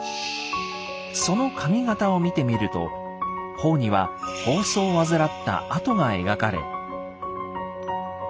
その紙形を見てみると頬には疱瘡を患ったあとが描かれ。